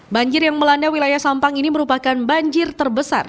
banjir yang melanda wilayah sampang ini merupakan banjir terbesar